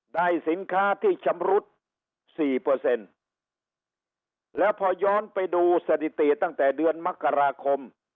ได้สินค้าที่ชำรุดสี่เปอร์เซ็นต์แล้วพอย้อนไปดูสถิติตั้งแต่เดือนมกราคม